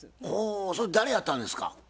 ほおそれ誰やったんですか？